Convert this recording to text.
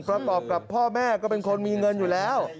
ประกอบกับพ่อแม่ก็เป็นคนมีเงินอยู่แล้ว